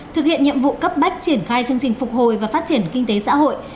thực hiện nhiệm vụ cấp bách triển khai chương trình phục hồi và phát triển kinh tế xã hội